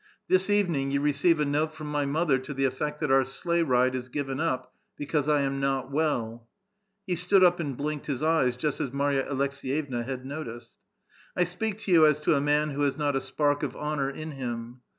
This evening you receive a note from my mother to the effect that our sleighride is given up, because I am not well." He stood up and blinked his eyes, just as Marya Aleks6 yevna had noticed. '* 1 speak to you as to a man who has not a spark of honor in him.